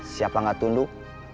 siapa yang gak tunduk